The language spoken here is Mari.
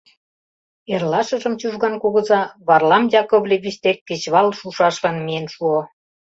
Эрлашыжым Чужган кугыза Варлам Яковлевич дек кечывал шушашлан миен шуо.